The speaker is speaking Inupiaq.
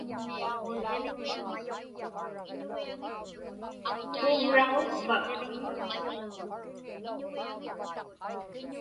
Puuvraġukpak?